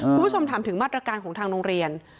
คุณผู้ชมถามถึงมาตรการของทางโรงเรียน